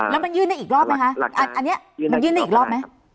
แล้วมันยื่นได้อีกรอบไหมคะอันนี้มันยื่นได้อีกรอบไหม